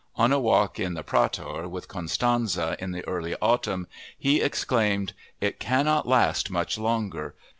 On a walk in the Prater with Constanze in the early autumn he exclaimed: "It cannot last much longer